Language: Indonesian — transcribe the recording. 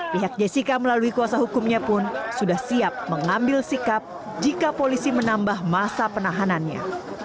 pihak jessica melalui kuasa hukumnya pun sudah siap mengambil sikap jika polisi menambah masa penahanannya